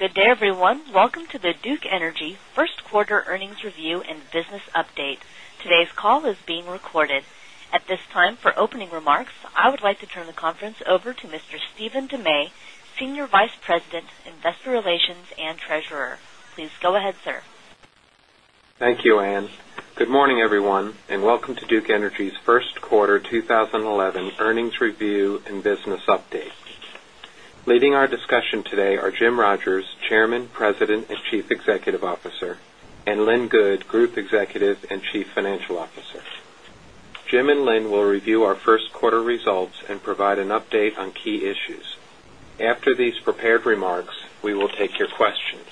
Good day, everyone. Welcome to the Duke Energy First Quarter Earnings Review and Business Update. Today's call is being recorded. At this time, for opening remarks, I would like to turn the conference over to Mr. Stephen De May, Senior Vice President, Investor Relations, and Treasurer. Please go ahead, sir. Thank you, Ann. Good morning, everyone, and welcome to Duke Energy's First Quarter 2011 Earnings Review and Business Update. Leading our discussion today are Jim Rogers, Chairman, President and Chief Executive Officer, and Lynn Good, Group Executive and Chief Financial Officer. Jim and Lynn will review our first quarter results and provide an update on key issues. After these prepared remarks, we will take your questions.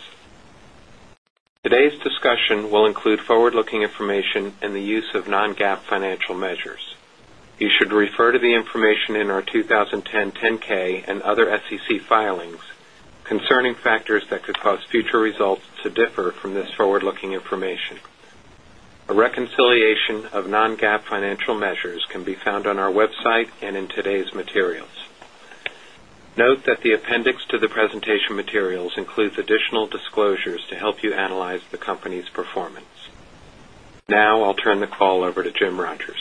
Today's discussion will include forward-looking information and the use of non-GAAP financial measures. You should refer to the information in our 2010 10-K and other SEC filings concerning factors that could cause future results to differ from this forward-looking information. A reconciliation of non-GAAP financial measures can be found on our website and in today's materials. Note that the appendix to the presentation materials includes additional disclosures to help you analyze the company's performance. Now, I'll turn the call over to Jim Rogers.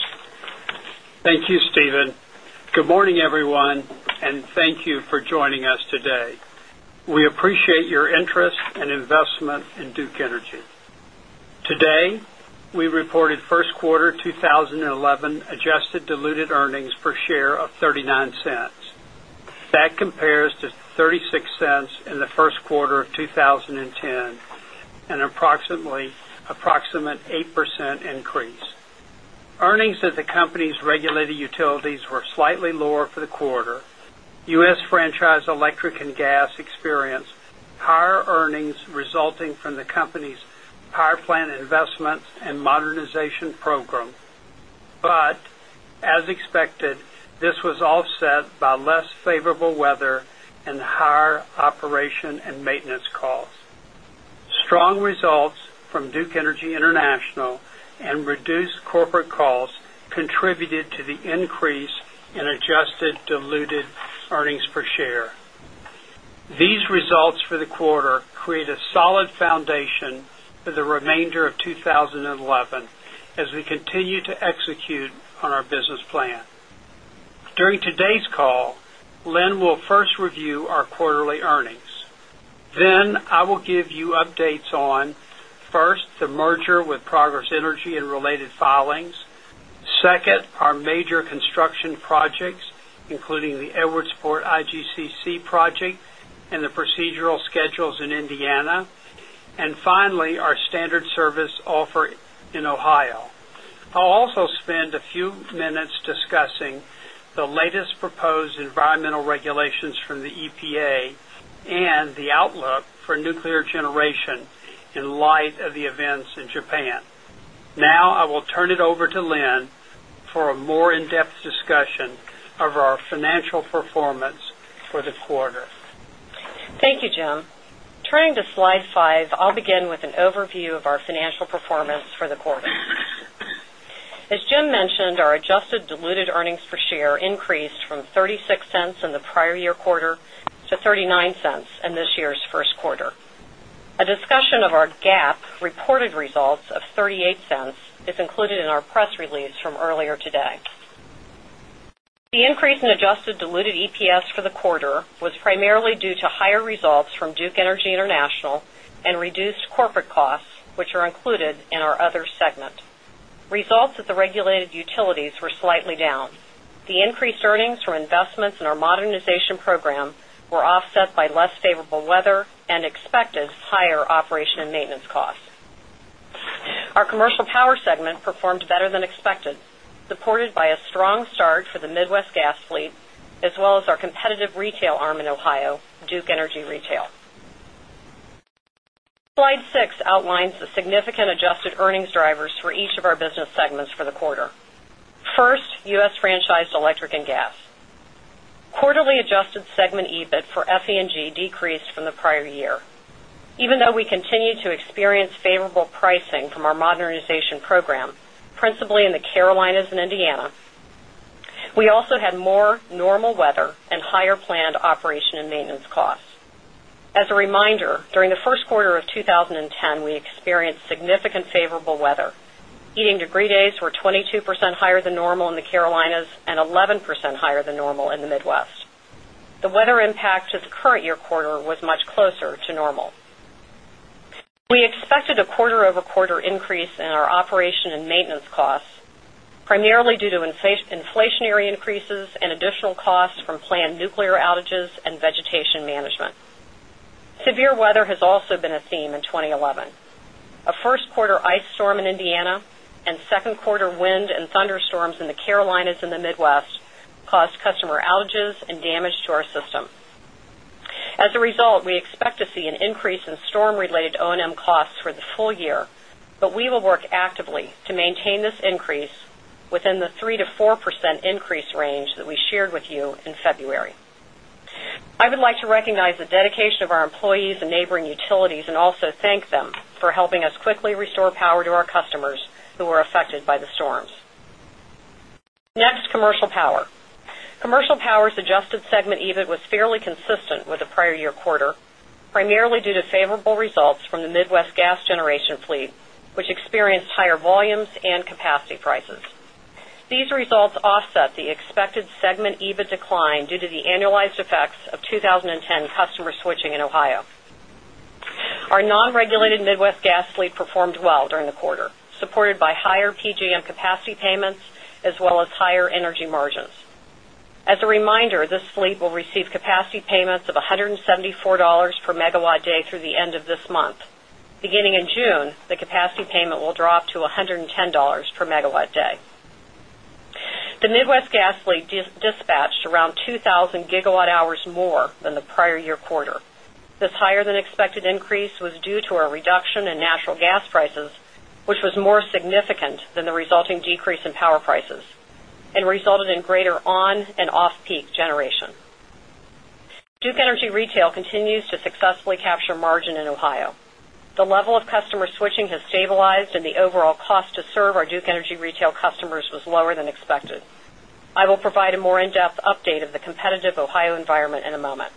Thank you, Stephen. Good morning, everyone, and thank you for joining us today. We appreciate your interest and investment in Duke Energy. Today, we reported first quarter 2011 adjusted diluted earnings per share of $0.39. That compares to $0.36 in the first quarter of 2010 and an approximate 8% increase. Earnings at the company's regulated utilities were slightly lower for the quarter. U.S. Franchised Electric and Gas experienced higher earnings resulting from the company's power plant investments and modernization program. As expected, this was offset by less favorable weather and higher operation and maintenance costs. Strong results from Duke Energy International and reduced corporate calls contributed to the increase in adjusted diluted earnings per share. These results for the quarter create a solid foundation for the remainder of 2011 as we continue to execute on our business plan. During today's call, Lynn will first review our quarterly earnings. I will give you updates on, first, the merger with Progress Energy and related filings. Second, our major construction projects, including the Edwardsport IGCC project and the procedural schedules in Indiana. Finally, our standard service offer in Ohio. I'll also spend a few minutes discussing the latest proposed environmental regulations from the EPA and the outlook for nuclear generation in light of the events in Japan. Now, I will turn it over to Lynn for a more in-depth discussion of our financial performance for the quarter. Thank you, Jim. Turning to slide five, I'll begin with an overview of our financial performance for the quarter. As Jim mentioned, our adjusted diluted earnings per share increased from $0.36 in the prior-year quarter to $0.39 in this year's first quarter. A discussion of our GAAP reported results of $0.38 is included in our press release from earlier today. The increase in adjusted diluted EPS for the quarter was primarily due to higher results from Duke Energy International and reduced corporate costs, which are included in our other segment. Results at the regulated utilities were slightly down. The increased earnings from investments in our modernization program were offset by less favorable weather and expected higher operation and maintenance costs. Our commercial power segment performed better than expected, supported by a strong start for the Midwest gas fleet, as well as our competitive retail arm in Ohio, Duke Energy Retail. Slide six outlines the significant adjusted earnings drivers for each of our business segments for the quarter. First, U.S. Franchised Electric and Gas. Quarterly adjusted segment EBIT for FE&G decreased from the prior year. Even though we continue to experience favorable pricing from our modernization program, principally in the Carolinas and Indiana, we also had more normal weather and higher planned operation and maintenance costs. As a reminder, during the first quarter of 2010, we experienced significant favorable weather. Heating degree days were 22% higher than normal in the Carolinas and 11% higher than normal in the Midwest. The weather impact to the current year quarter was much closer to normal. We expected a quarter-over-quarter increase in our operation and maintenance costs, primarily due to inflationary increases and additional costs from planned nuclear outages and vegetation management. Severe weather has also been a theme in 2011. A first quarter ice storm in Indiana and second quarter wind and thunderstorms in the Carolinas and the Midwest caused customer outages and damage to our system. As a result, we expect to see an increase in storm-related O&M costs for the full year, but we will work actively to maintain this increase within the 3%-4% increase range that we shared with you in February. I would like to recognize the dedication of our employees and neighboring utilities and also thank them for helping us quickly restore power to our customers who were affected by the storms. Next, commercial power. Commercial power's adjusted segment EBIT was fairly consistent with the prior-year quarter, primarily due to favorable results from the Midwest gas generation fleet, which experienced higher volumes and capacity prices. These results offset the expected segment EBIT decline due to the annualized effects of 2010 customer switching in Ohio. Our non-regulated Midwest gas fleet performed well during the quarter, supported by higher PJM capacity payments, as well as higher energy margins. As a reminder, this fleet will receive capacity payments of $174 per MW day through the end of this month. Beginning in June, the capacity payment will drop to $110 per MW day. The Midwest gas fleet dispatched around 2,000 GWh more than the prior-year quarter. This higher-than-expected increase was due to a reduction in natural gas prices, which was more significant than the resulting decrease in power prices and resulted in greater on- and off-peak generation. Duke Energy Retail continues to successfully capture margin in Ohio. The level of customer switching has stabilized, and the overall cost to serve our Duke Energy Retail customers was lower than expected. I will provide a more in-depth update of the competitive Ohio environment in a moment.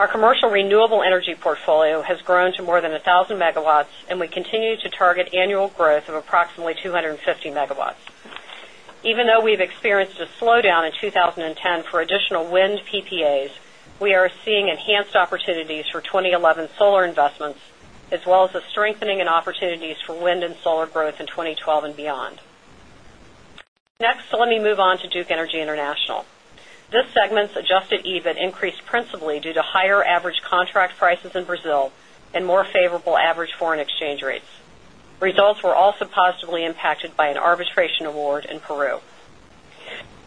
Our commercial renewable energy portfolio has grown to more than 1,000 MW, and we continue to target annual growth of approximately 250 MW. Even though we've experienced a slowdown in 2010 for additional wind PPAs, we are seeing enhanced opportunities for 2011 solar investments, as well as a strengthening in opportunities for wind and solar growth in 2012 and beyond. Next, let me move on to Duke Energy International. This segment's adjusted EBIT increased principally due to higher average contract prices in Brazil and more favorable average foreign exchange rates. Results were also positively impacted by an arbitration award in Peru.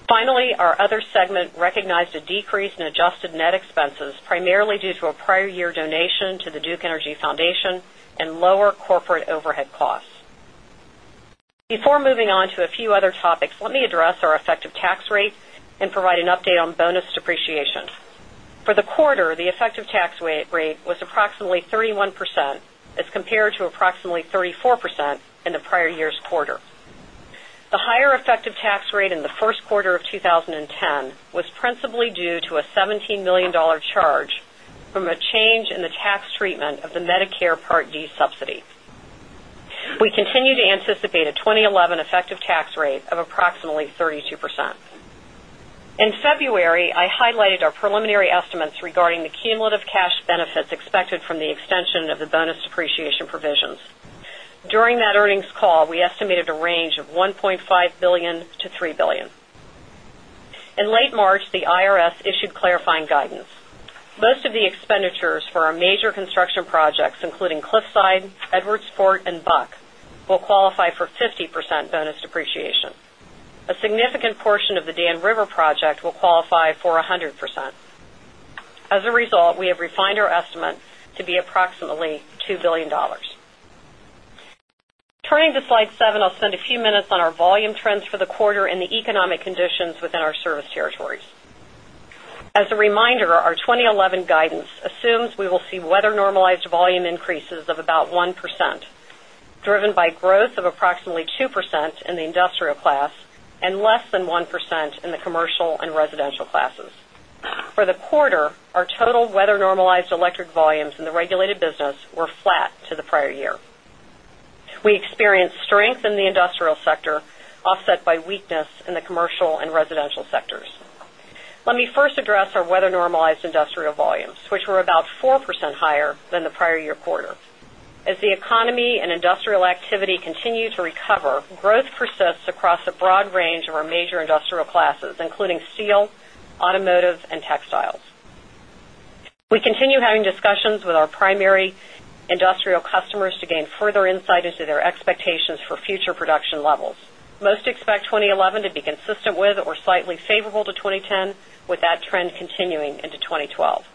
Finally, our other segment recognized a decrease in adjusted net expenses, primarily due to a prior year donation to the Duke Energy Foundation and lower corporate overhead costs. Before moving on to a few other topics, let me address our effective tax rate and provide an update on bonus depreciation. For the quarter, the effective tax rate was approximately 31% as compared to approximately 34% in the prior year's quarter. The higher effective tax rate in the first quarter of 2010 was principally due to a $17 million charge from a change in the tax treatment of the Medicare Part D subsidy. We continue to anticipate a 2011 effective tax rate of approximately 32%. In February, I highlighted our preliminary estimates regarding the cumulative cash benefits expected from the extension of the bonus depreciation provisions. During that earnings call, we estimated a range of $1.5 billion-$3 billion. In late March, the IRS issued clarifying guidance. Most of the expenditures for our major construction projects, including Cliffside, Edwardsport, and Buck, will qualify for 50% bonus depreciation. A significant portion of the Dan River project will qualify for 100%. As a result, we have refined our estimate to be approximately $2 billion. Turning to slide seven, I'll spend a few minutes on our volume trends for the quarter and the economic conditions within our service territories. As a reminder, our 2011 guidance assumes we will see weather-normalized volume increases of about 1%, driven by growth of approximately 2% in the industrial class and less than 1% in the commercial and residential classes. For the quarter, our total weather-normalized electric volumes in the regulated business were flat to the prior year. We experienced strength in the industrial sector, offset by weakness in the commercial and residential sectors. Let me first address our weather-normalized industrial volumes, which were about 4% higher than the prior-year quarter. As the economy and industrial activity continue to recover, growth persists across a broad range of our major industrial classes, including steel, automotive, and textiles. We continue having discussions with our primary industrial customers to gain further insight into their expectations for future production levels. Most expect 2011 to be consistent with or slightly favorable to 2010, with that trend continuing into 2012.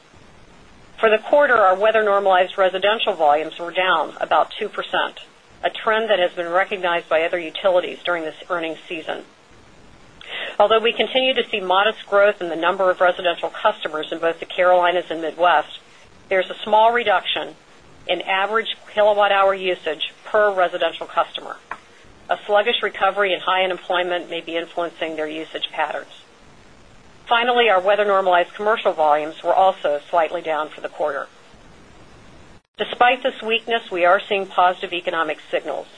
For the quarter, our weather-normalized residential volumes were down about 2%, a trend that has been recognized by other utilities during this earnings season. Although we continue to see modest growth in the number of residential customers in both the Carolinas and Midwest, there's a small reduction in average kilowatt-hour usage per residential customer. A sluggish recovery in high unemployment may be influencing their usage patterns. Finally, our weather-normalized commercial volumes were also slightly down for the quarter. Despite this weakness, we are seeing positive economic signals.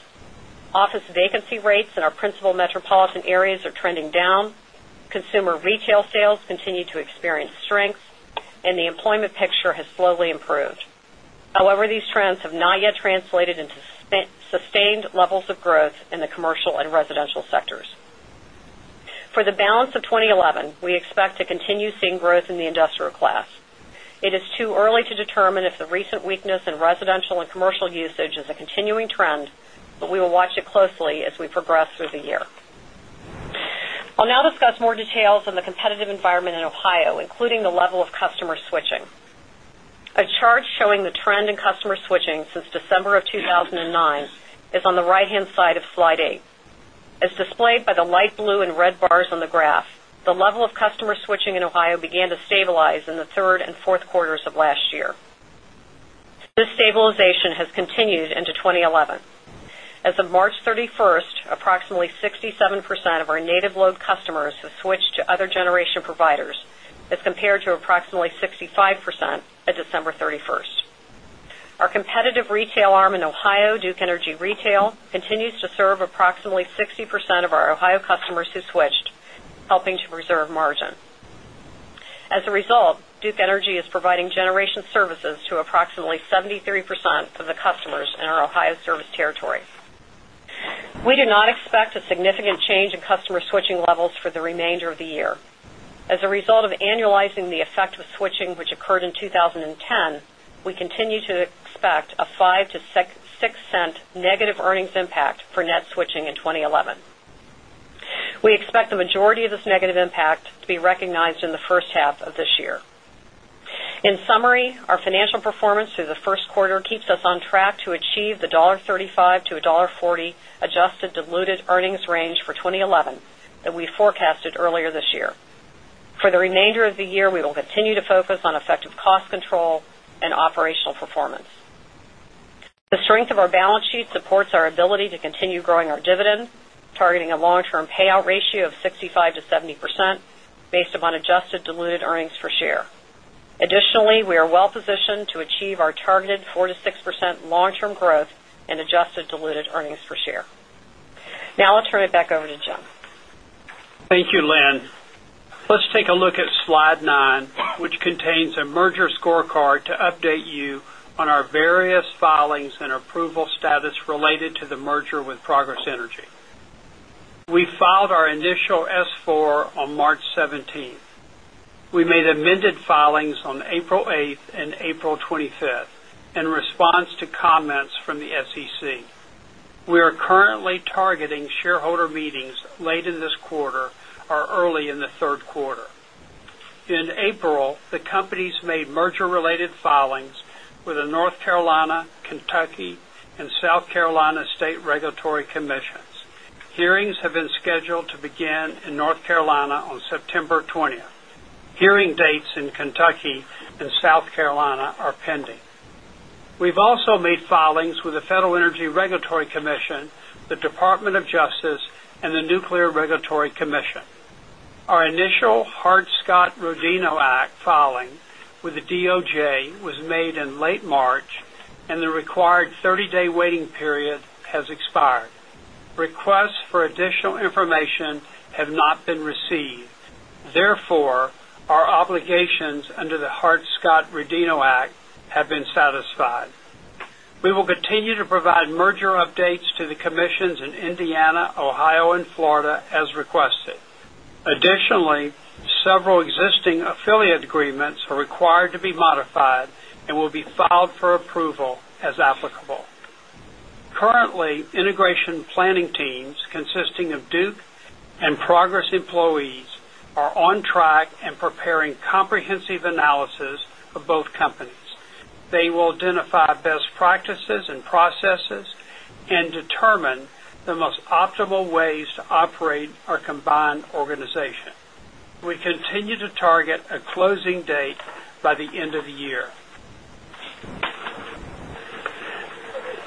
Office vacancy rates in our principal metropolitan areas are trending down, consumer retail sales continue to experience strength, and the employment picture has slowly improved. However, these trends have not yet translated into sustained levels of growth in the commercial and residential sectors. For the balance of 2011, we expect to continue seeing growth in the industrial class. It is too early to determine if the recent weakness in residential and commercial usage is a continuing trend, but we will watch it closely as we progress through the year. I'll now discuss more details on the competitive environment in Ohio, including the level of customer switching. A chart showing the trend in customer switching since December of 2009 is on the right-hand side of slide eight. As displayed by the light blue and red bars on the graph, the level of customer switching in Ohio began to stabilize in the third and fourth quarters of last year. This stabilization has continued into 2011. As of March 31st, approximately 67% of our native-load customers have switched to other generation providers, as compared to approximately 65% at December 31st. Our competitive retail arm in Ohio, Duke Energy Retail, continues to serve approximately 60% of our Ohio customers who switched, helping to preserve margin. As a result, Duke Energy is providing generation services to approximately 73% of the customers in our Ohio service territory. We do not expect a significant change in customer switching levels for the remainder of the year. As a result of annualizing the effect of switching, which occurred in 2010, we continue to expect a $0.5-$0.6 negative earnings impact for net switching in 2011. We expect the majority of this negative impact to be recognized in the first half of this year. In summary, our financial performance through the first quarter keeps us on track to achieve the $1.35 to $1.40 adjusted diluted earnings range for 2011 that we forecasted earlier this year. For the remainder of the year, we will continue to focus on effective cost control and operational performance. The strength of our balance sheet supports our ability to continue growing our dividend, targeting a long-term payout ratio of 65%-70% based upon adjusted diluted earnings per share. Additionally, we are well positioned to achieve our targeted 4%-6% long-term growth and adjusted diluted earnings per share. Now, I'll turn it back over to Jim. Thank you, Lynn. Let's take a look at slide nine, which contains a merger scorecard to update you on our various filings and approval status related to the merger with Progress Energy. We filed our initial S-4 on March 17th. We made amended filings on April 8th and April 25th in response to comments from the SEC. We are currently targeting shareholder meetings late in this quarter or early in the third quarter. In April, the companies made merger-related filings with the North Carolina, Kentucky, and South Carolina state regulatory commissions. Hearings have been scheduled to begin in North Carolina on September 20. Hearing dates in Kentucky and South Carolina are pending. We've also made filings with the Federal Energy Regulatory Commission, the Department of Justice, and the Nuclear Regulatory Commission. Our initial Hart-Scott-Rodino Act filing with the DOJ was made in late March, and the required 30-day waiting period has expired. Requests for additional information have not been received. Therefore, our obligations under the Hart-Scott-Rodino Act have been satisfied. We will continue to provide merger updates to the commissions in Indiana, Ohio, and Florida as requested. Additionally, several existing affiliate agreements are required to be modified and will be filed for approval as applicable. Currently, integration planning teams consisting of Duke and Progress employees are on track and preparing comprehensive analyses of both companies. They will identify best practices and processes and determine the most optimal ways to operate our combined organization. We continue to target a closing date by the end of the year.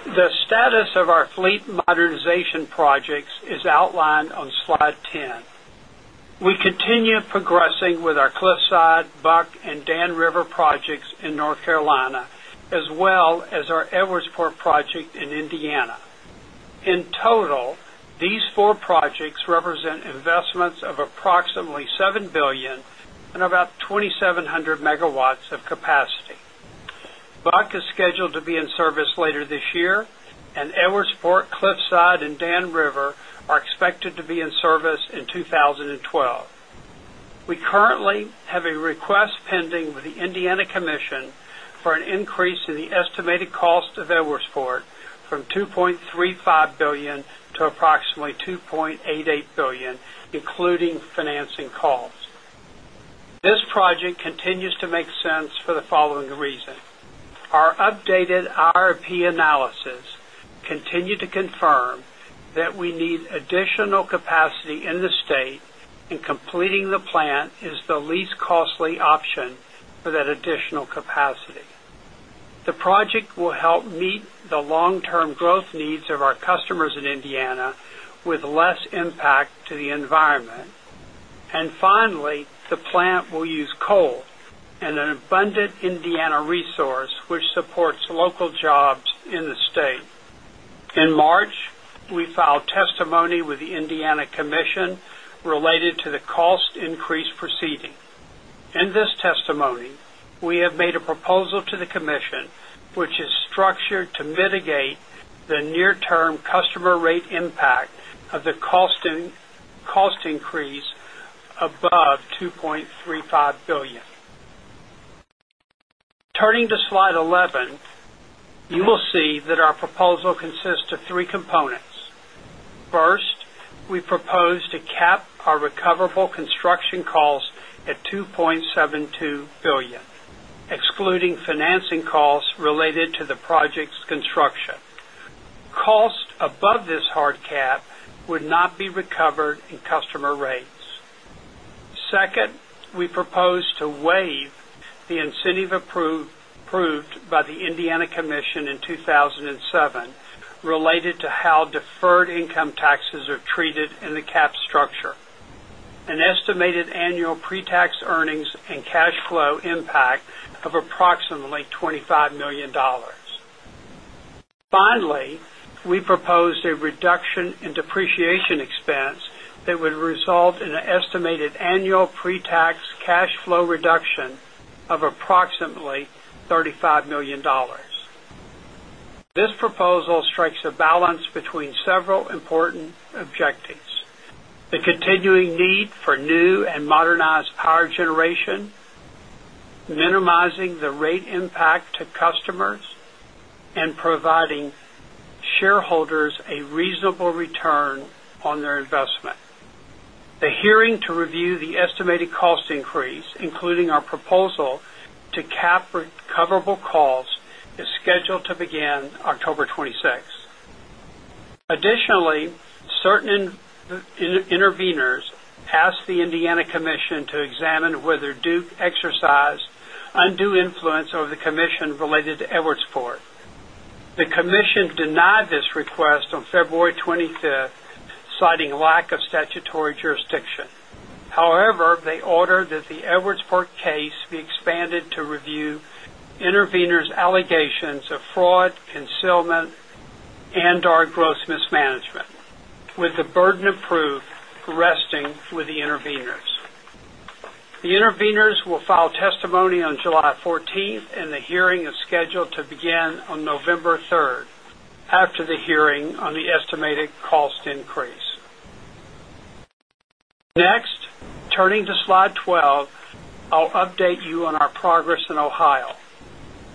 The status of our fleet modernization projects is outlined on slide 10. We continue progressing with our Cliffside, Buck, and Dan River projects in North Carolina, as well as our Edwardsport project in Indiana. In total, these four projects represent investments of approximately $7 billion and about 2,700 MW of capacity. Buck is scheduled to be in service later this year, and Edwardsport, Cliffside, and Dan River are expected to be in service in 2012. We currently have a request pending with the Indiana Commission for an increase in the estimated cost of Edwardsport from $2.35 billion to approximately $2.88 billion, including financing costs. This project continues to make sense for the following reasons: our updated IRP analysis continued to confirm that we need additional capacity in the state, and completing the plant is the least costly option for that additional capacity. The project will help meet the long-term growth needs of our customers in Indiana with less impact to the environment. Finally, the plant will use coal, an abundant Indiana resource, which supports local jobs in the state. In March, we filed testimony with the Indiana Commission related to the cost increase proceeding. In this testimony, we have made a proposal to the Commission, which is structured to mitigate the near-term customer rate impact of the cost increase above $2.35 billion. Turning to slide 11, you will see that our proposal consists of three components. First, we propose to cap our recoverable construction costs at $2.72 billion, excluding financing costs related to the project's construction. Costs above this hard cap would not be recovered in customer rates. Second, we propose to waive the incentive approved by the Indiana Commission in 2007 related to how deferred income taxes are treated in the cap structure, an estimated annual pre-tax earnings and cash flow impact of approximately $25 million. Finally, we propose a reduction in depreciation expense that would result in an estimated annual pre-tax cash flow reduction of approximately $35 million. This proposal strikes a balance between several important objectives: the continuing need for new and modernized power generation, minimizing the rate impact to customers, and providing shareholders a reasonable return on their investment. The hearing to review the estimated cost increase, including our proposal to cap recoverable costs, is scheduled to begin October 26. Additionally, certain interveners asked the Indiana Commission to examine whether Duke Energy exercised undue influence over the commission related to Edwardsport. The commission denied this request on February 25th, citing lack of statutory jurisdiction. However, they ordered that the Edwardsport case be expanded to review interveners' allegations of fraud, concealment, and/or gross mismanagement, with the burden of proof resting with the interveners. The interveners will file testimony on July 14th, and the hearing is scheduled to begin on November 3rd, after the hearing on the estimated cost increase. Next, turning to slide 12, I'll update you on our progress in Ohio.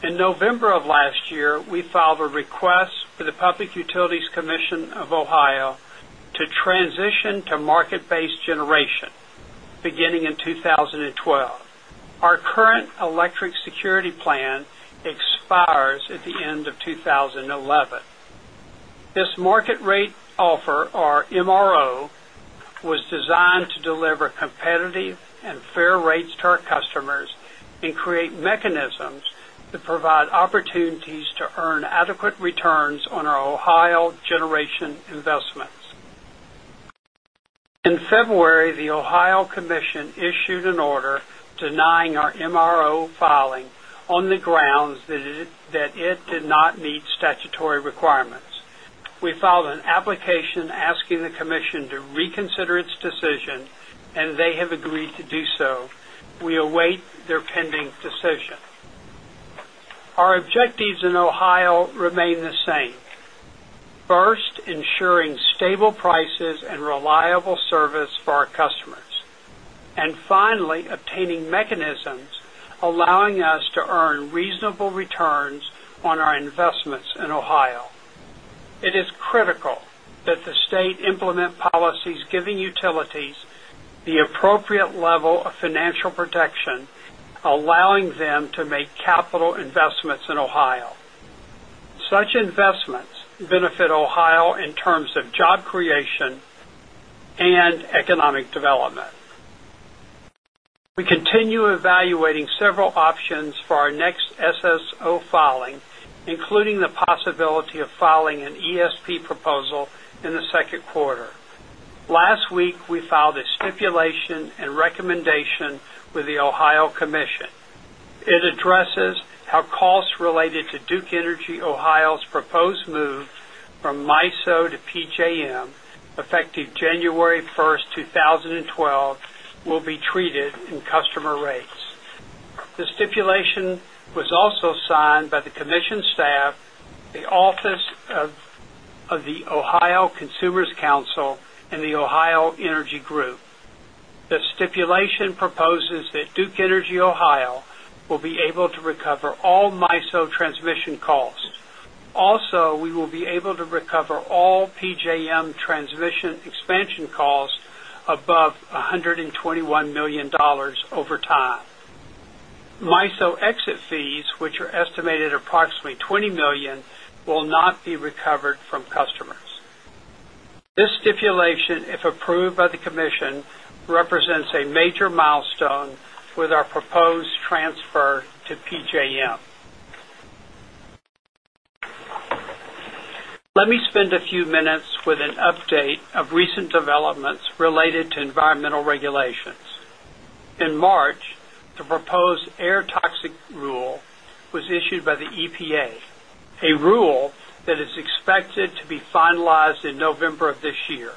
In November of last year, we filed a request for the Public Utilities Commission of Ohio to transition to market-based generation beginning in 2012. Our current electric security plan expires at the end of 2011. This market rate offer, or MRO, was designed to deliver competitive and fair rates to our customers and create mechanisms to provide opportunities to earn adequate returns on our Ohio generation investments. In February, the Ohio Commission issued an order denying our MRO filing on the grounds that it did not meet statutory requirements. We filed an application asking the commission to reconsider its decision, and they have agreed to do so. We await their pending decision. Our objectives in Ohio remain the same: first, ensuring stable prices and reliable service for our customers, and finally, obtaining mechanisms allowing us to earn reasonable returns on our investments in Ohio. It is critical that the state implement policies giving utilities the appropriate level of financial protection, allowing them to make capital investments in Ohio. Such investments benefit Ohio in terms of job creation and economic development. We continue evaluating several options for our next SSO filing, including the possibility of filing an ESP proposal in the second quarter. Last week, we filed a stipulation and recommendation with the Ohio Commission. It addresses how costs related to Duke Energy Ohio's proposed move from MISO to PJM effective January 1st, 2012, will be treated in customer rates. The stipulation was also signed by the commission staff, the Office of the Ohio Consumers Council, and the Ohio Energy Group. The stipulation proposes that Duke Energy Ohio will be able to recover all MISO transmission costs. Also, we will be able to recover all PJM transmission expansion costs above $121 million over time. MISO exit fees, which are estimated at approximately $20 million, will not be recovered from customers. This stipulation, if approved by the commission, represents a major milestone with our proposed transfer to PJM. Let me spend a few minutes with an update of recent developments related to environmental regulations. In March, the proposed air toxic rule was issued by the EPA, a rule that is expected to be finalized in November of this year.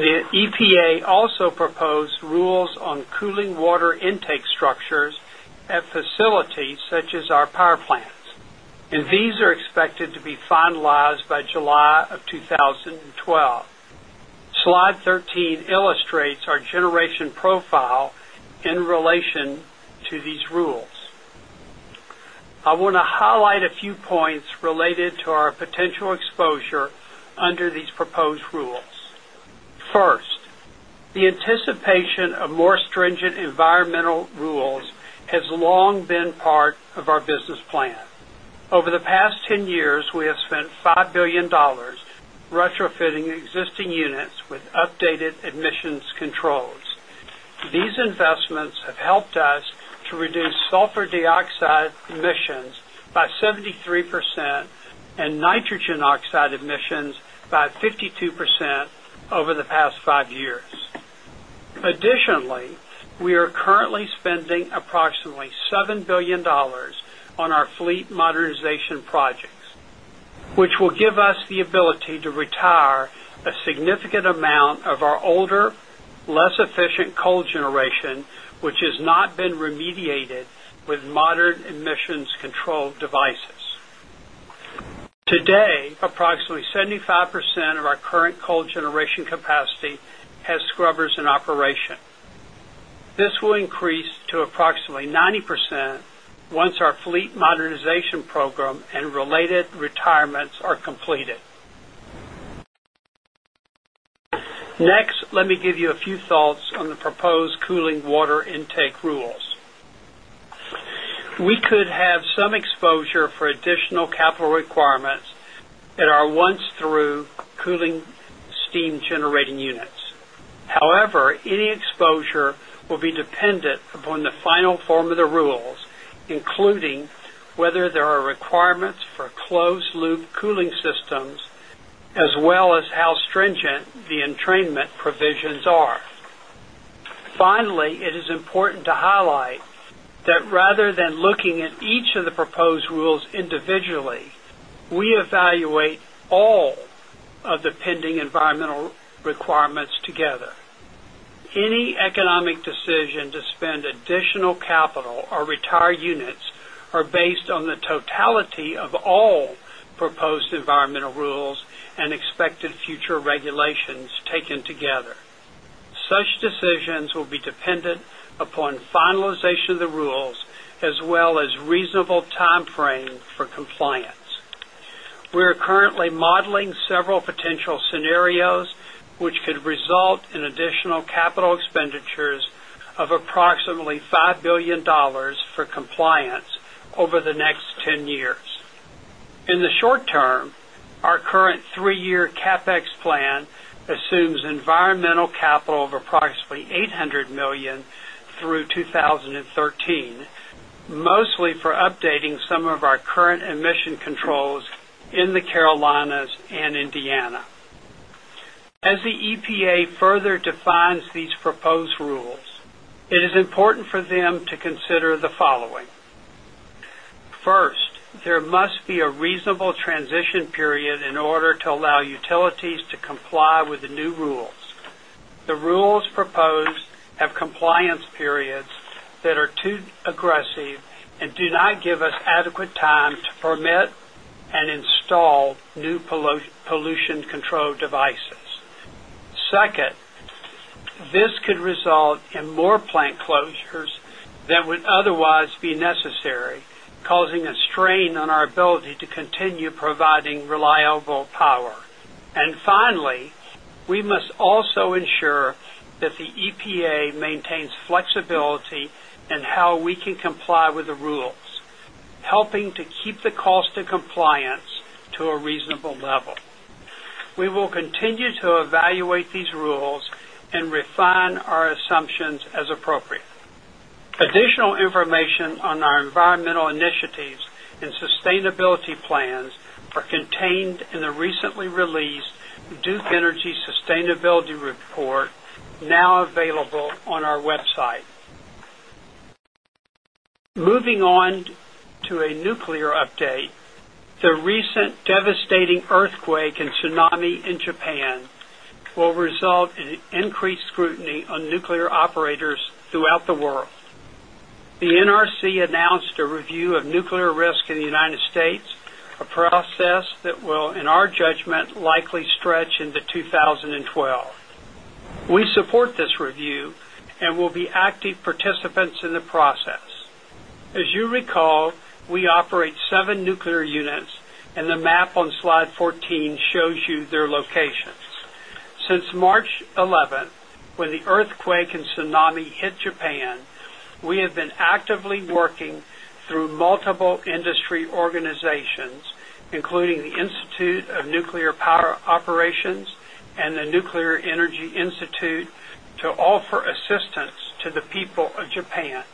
The EPA also proposed rules on cooling water intake structures at facilities such as our power plants. These are expected to be finalized by July of 2012. Slide 13 illustrates our generation profile in relation to these rules. I want to highlight a few points related to our potential exposure under these proposed rules. First, the anticipation of more stringent environmental rules has long been part of our business plan. Over the past 10 years, we have spent $5 billion retrofitting existing units with updated emissions controls. These investments have helped us to reduce sulfur dioxide emissions by 73% and nitrogen oxide emissions by 52% over the past five years. Additionally, we are currently spending approximately $7 billion on our fleet modernization projects, which will give us the ability to retire a significant amount of our older, less efficient coal generation, which has not been remediated with modern emissions control devices. Today, approximately 75% of our current coal generation capacity has scrubbers in operation. This will increase to approximately 90% once our fleet modernization program and related retirements are completed. Next, let me give you a few thoughts on the proposed cooling water intake rules. We could have some exposure for additional capital requirements in our once-through cooling steam generating units. However, any exposure will be dependent upon the final form of the rules, including whether there are requirements for closed-loop cooling systems, as well as how stringent the entrainment provisions are. Finally, it is important to highlight that rather than looking at each of the proposed rules individually, we evaluate all of the pending environmental requirements together. Any economic decision to spend additional capital or retire units is based on the totality of all proposed environmental rules and expected future regulations taken together. Such decisions will be dependent upon finalization of the rules, as well as reasonable timeframes for compliance. We are currently modeling several potential scenarios which could result in additional capital expenditures of approximately $5 billion for compliance over the next 10 years. In the short term, our current three-year CapEx plan assumes environmental capital of approximately $800 million through 2013, mostly for updating some of our current emission controls in the Carolinas and Indiana. As the EPA further defines these proposed rules, it is important for them to consider the following: first, there must be a reasonable transition period in order to allow utilities to comply with the new rules. The rules proposed have compliance periods that are too aggressive and do not give us adequate time to permit and install new pollution control devices. Second, this could result in more plant closures than would otherwise be necessary, causing a strain on our ability to continue providing reliable power. Finally, we must also ensure that the EPA maintains flexibility in how we can comply with the rules, helping to keep the cost of compliance to a reasonable level. We will continue to evaluate these rules and refine our assumptions as appropriate. Additional information on our environmental initiatives and sustainability plans are contained in the recently released Duke Energy Sustainability Report, now available on our website. Moving on to a nuclear update, the recent devastating earthquake and tsunami in Japan will result in increased scrutiny on nuclear operators throughout the world. The NRC announced a review of nuclear risk in the U.S., a process that will, in our judgment, likely stretch into 2012. We support this review and will be active participants in the process. As you recall, we operate seven nuclear units, and the map on slide 14 shows you their locations. Since March 11, when the earthquake and tsunami hit Japan, we have been actively working through multiple industry organizations, including the Institute of Nuclear Power Operations and the Nuclear Energy Institute, to offer assistance to the people of Japan.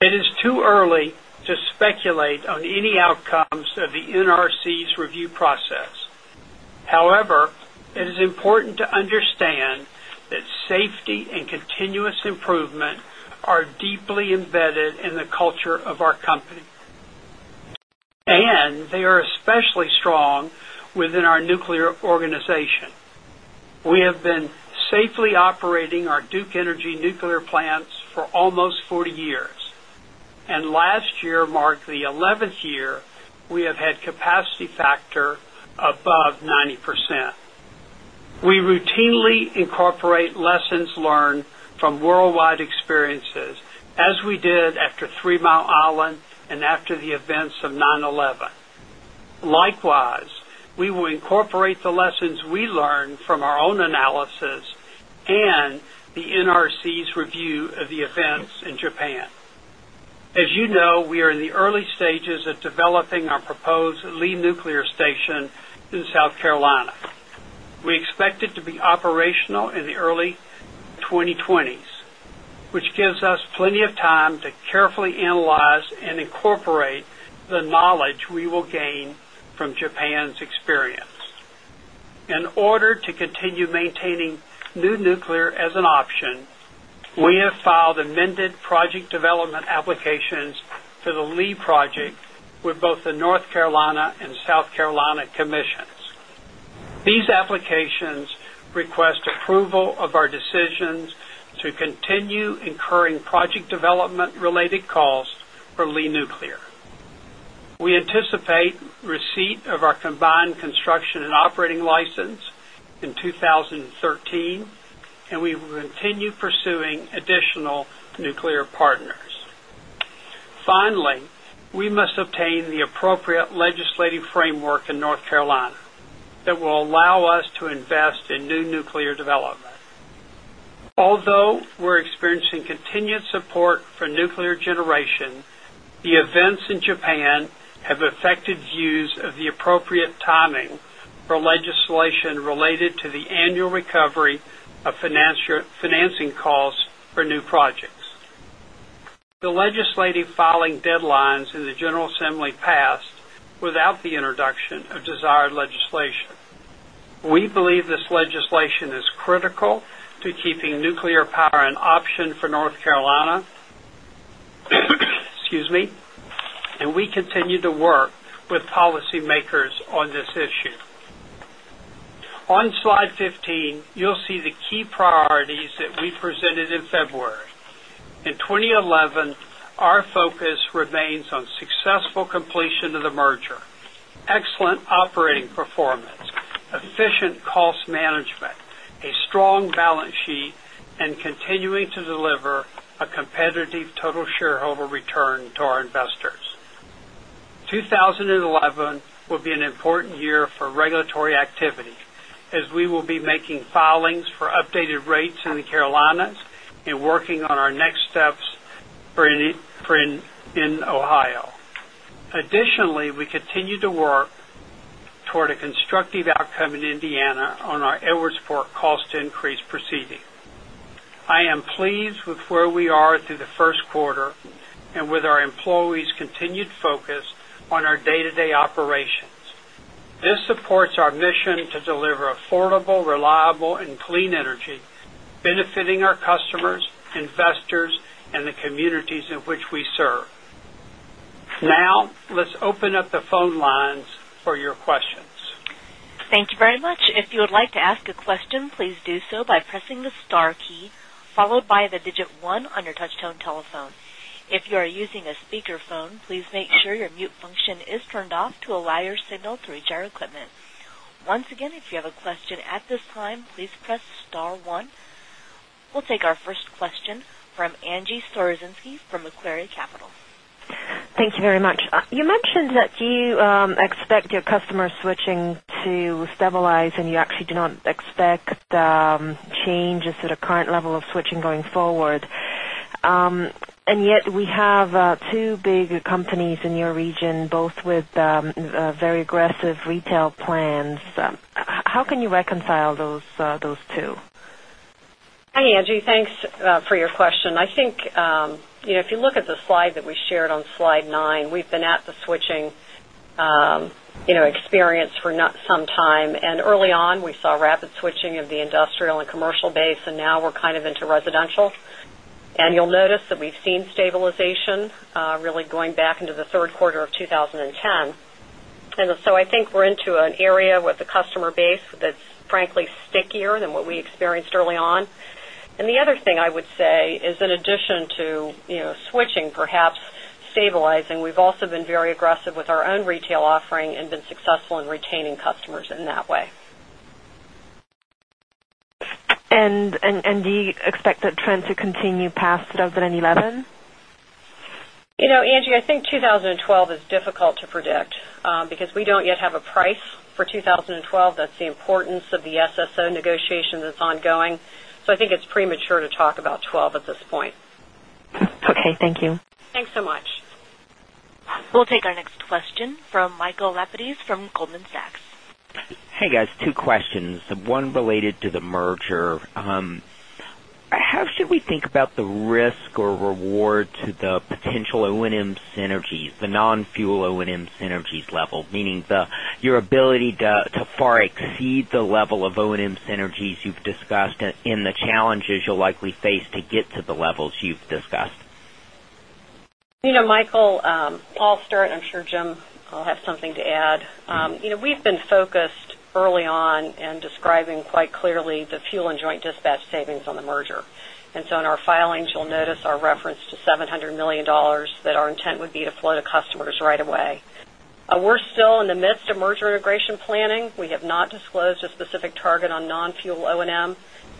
It is too early to speculate on any outcomes of the NRC's review process. However, it is important to understand that safety and continuous improvement are deeply embedded in the culture of our company, and they are especially strong within our nuclear organization. We have been safely operating our Duke Energy nuclear plants for almost 40 years, and last year marked the 11th year we have had capacity factor above 90%. We routinely incorporate lessons learned from worldwide experiences, as we did after Three Mile Island and after the events of 9/11. Likewise, we will incorporate the lessons we learned from our own analysis and the NRC's review of the events in Japan. As you know, we are in the early stages of developing our proposed Lee Nuclear Station in South Carolina. We expect it to be operational in the early 2020s, which gives us plenty of time to carefully analyze and incorporate the knowledge we will gain from Japan's experience. In order to continue maintaining new nuclear as an option, we have filed amended project development applications for the Lee Project with both the North Carolina and South Carolina commissions. These applications request approval of our decisions to continue incurring project development-related costs for Lee Nuclear. We anticipate receipt of our combined construction and operating license in 2013, and we will continue pursuing additional nuclear partners. Finally, we must obtain the appropriate legislative framework in North Carolina that will allow us to invest in new nuclear development. Although we're experiencing continued support for nuclear generation, the events in Japan have affected views of the appropriate timing for legislation related to the annual recovery of financing costs for new projects. The legislative filing deadlines in the General Assembly passed without the introduction of desired legislation. We believe this legislation is critical to keeping nuclear power an option for North Carolina. Excuse me. We continue to work with policymakers on this issue. On slide 15, you'll see the key priorities that we presented in February. In 2011, our focus remains on successful completion of the merger, excellent operating performance, efficient cost management, a strong balance sheet, and continuing to deliver a competitive total shareholder return to our investors. 2011 will be an important year for regulatory activity, as we will be making filings for updated rates in the Carolinas and working on our next steps in Ohio. Additionally, we continue to work toward a constructive outcome in Indiana on our Edwardsport cost increase proceeding. I am pleased with where we are through the first quarter and with our employees' continued focus on our day-to-day operations. This supports our mission to deliver affordable, reliable, and clean energy, benefiting our customers, investors, and the communities in which we serve. Now, let's open up the phone lines for your questions. Thank you very much. If you would like to ask a question, please do so by pressing the star key followed by the digit one on your touch-tone telephone. If you are using a speaker phone, please make sure your mute function is turned off to allow your signal to reach our equipment. Once again, if you have a question at this time, please press star one. We'll take our first question from Angie Storozynski from Macquarie Capital. Thank you very much. You mentioned that you expect your customer switching to stabilize, and you actually do not expect the changes to the current level of switching going forward. Yet, we have two big companies in your region, both with very aggressive retail plans. How can you reconcile those two? Hi, Angie. Thanks for your question. If you look at the slide that we shared on slide nine, we've been at the switching experience for some time. Early on, we saw rapid switching of the industrial and commercial base, and now we're kind of into residential. You'll notice that we've seen stabilization really going back into the third quarter of 2010. I think we're into an area with the customer base that's frankly stickier than what we experienced early on. The other thing I would say is, in addition to switching perhaps stabilizing, we've also been very aggressive with our own retail offering and been successful in retaining customers in that way. Do you expect that trend to continue past 2011? You know, Angie, I think 2012 is difficult to predict because we don't yet have a price for 2012. That's the importance of the SSO negotiation that's ongoing. I think it's premature to talk about 2012 at this point. Okay, thank you. Thanks so much. We'll take our next question from Michael Lapides from Goldman Sachs. Hey, guys. Two questions. The one related to the merger. How should we think about the risk or reward to the potential O&M synergies, the non-fuel O&M synergies level, meaning your ability to far exceed the level of O&M synergies you've discussed and the challenges you'll likely face to get to the levels you've discussed? You know, Michael, I'll start, and I'm sure Jim will have something to add. We've been focused early on and describing quite clearly the fuel and joint dispatch savings on the merger. In our filings, you'll notice our reference to $700 million that our intent would be to flow to customers right away. We're still in the midst of merger integration planning. We have not disclosed a specific target on non-fuel O&M.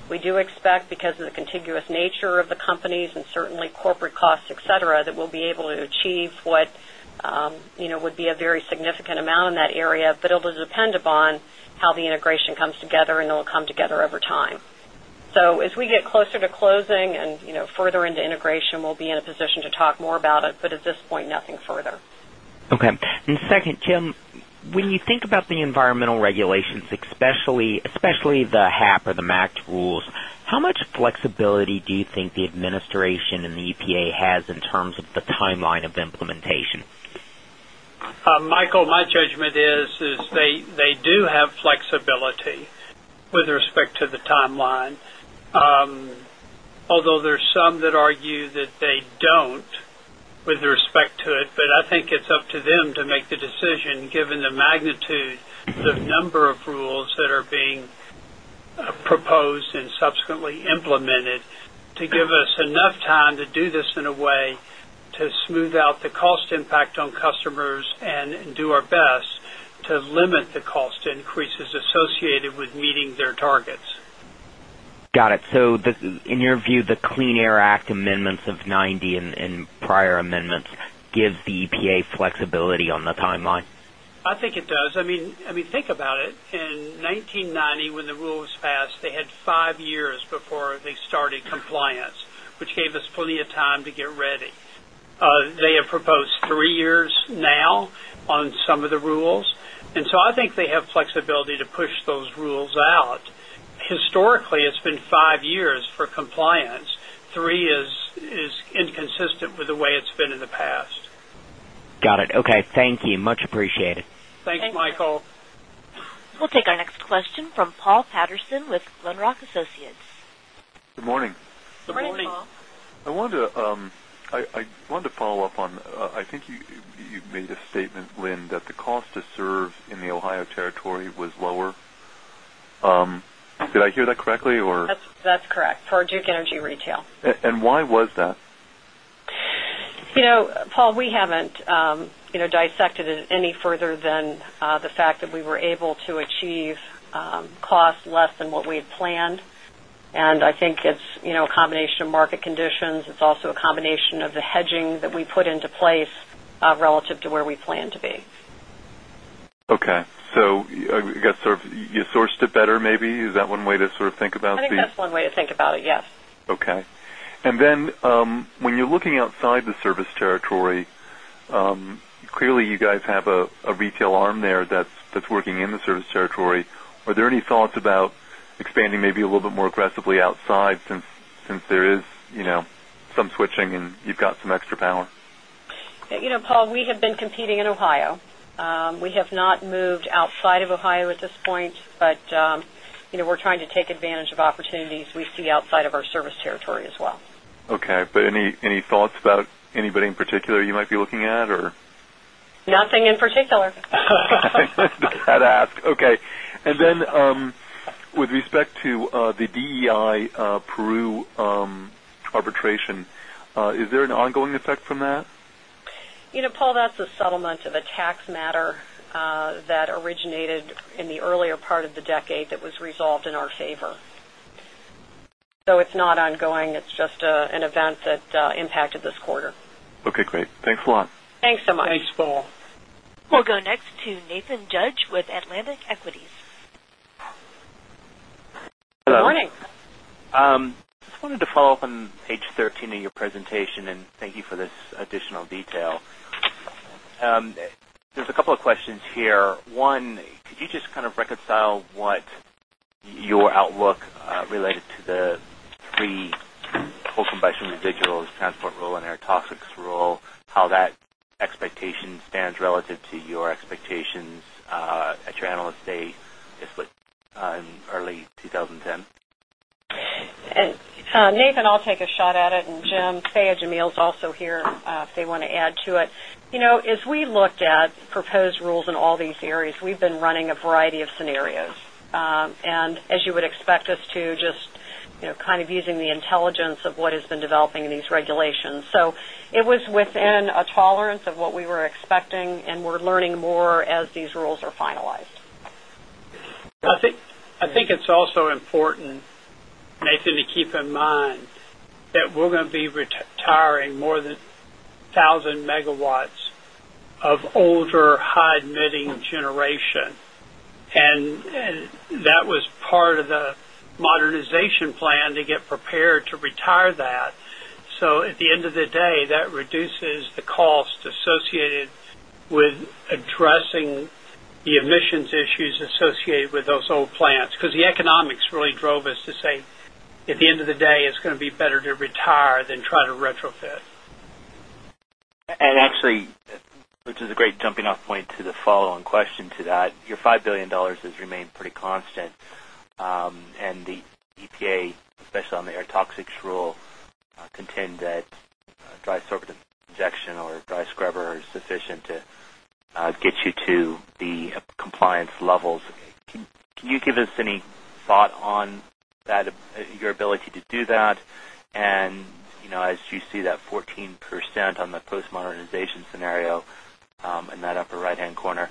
We do expect, because of the contiguous nature of the companies and certainly corporate costs, etc., that we'll be able to achieve what would be a very significant amount in that area. It'll depend upon how the integration comes together, and it'll come together over time. As we get closer to closing and further into integration, we'll be in a position to talk more about it. At this point, nothing further. Okay. Second, Jim, when you think about the environmental regulations, especially the HAP or the MACT rules, how much flexibility do you think the administration and the EPA has in terms of the timeline of implementation? Michael, my judgment is they do have flexibility with respect to the timeline, although there's some that argue that they don't with respect to it. I think it's up to them to make the decision, given the magnitude of the number of rules that are being proposed and subsequently implemented, to give us enough time to do this in a way to smooth out the cost impact on customers and do our best to limit the cost increases associated with meeting their targets. Got it. In your view, the Clean Air Act Amendments of 1990 and prior amendments give the EPA flexibility on the timeline? I think it does. I mean, think about it. In 1990, when the rule was passed, they had five years before they started compliance, which gave us plenty of time to get ready. They have proposed three years now on some of the rules. I think they have flexibility to push those rules out. Historically, it's been five years for compliance. Three is inconsistent with the way it's been in the past. Got it. Okay, thank you. Much appreciated. Thanks, Michael. We'll take our next question from Paul Patterson with Glenrock Associates. Good morning. Good morning, Paul. I wanted to follow up on I think you made a statement, Lynn, that the cost to serve in the Ohio territory was lower. Did I hear that correctly, or? That's correct for Duke Energy Retail. Why was that? You know, Paul, we haven't dissected it any further than the fact that we were able to achieve costs less than what we had planned. I think it's a combination of market conditions. It's also a combination of the hedging that we put into place relative to where we plan to be. Okay. I guess sort of your source to better maybe. Is that one way to sort of think about the? I think that's one way to think about it, yes. Okay. When you're looking outside the service territory, clearly you guys have a retail arm there that's working in the service territory. Are there any thoughts about expanding maybe a little bit more aggressively outside since there is, you know, some switching and you've got some extra power? You know, Paul, we have been competing in Ohio. We have not moved outside of Ohio at this point, but you know we're trying to take advantage of opportunities we see outside of our service territory as well. Okay, any thoughts about anybody in particular you might be looking at? Nothing in particular. I had to ask. Okay. With respect to the DEI Peru Arbitration, is there an ongoing effect from that? You know, Paul, that's a settlement of a tax matter that originated in the earlier part of the decade that was resolved in our favor. It's not ongoing. It's just an event that impacted this quarter. Okay. Great, thanks a lot. Thanks so much. Thanks, Paul. We'll go next to Nathan Judge with Atlantic Equities. Hello. Good morning. I just wanted to follow up on page 13 of your presentation, and thank you for this additional detail. There's a couple of questions here. One, could you just kind of reconcile what your outlook related to the three coal combustion residuals, transport rule, and air toxics rule, how that expectation stands relative to your expectations at your analyst date in early 2010? Nathan, I'll take a shot at it. Jim, Dhiaa Jamil's also here if they want to add to it. You know, as we looked at proposed rules in all these areas, we've been running a variety of scenarios. As you would expect us to, just kind of using the intelligence of what has been developing in these regulations. It was within a tolerance of what we were expecting, and we're learning more as these rules are finalized. I think it's also important, Nathan, to keep in mind that we're going to be retiring more than 1,000 MW of older high emitting generation. That was part of the modernization plan to get prepared to retire that. At the end of the day, that reduces the cost associated with addressing the emissions issues associated with those old plants because the economics really drove us to say, at the end of the day, it's going to be better to retire than try to retrofit. Actually, which is a great jumping-off point to the follow-on question to that, your $5 billion has remained pretty constant. The EPA, especially on the air toxics rule, contend that dry sorbent injection or dry scrubber is sufficient to get you to the compliance levels. Can you give us any thought on your ability to do that? As you see that 14% on the post-modernization scenario in that upper right-hand corner,